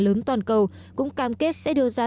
lớn toàn cầu cũng cam kết sẽ đưa ra